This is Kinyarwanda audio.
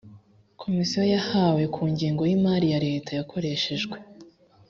komisiyo yahawe ku ngengo y imari ya leta yakoreshejwe